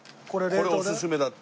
これおすすめだって。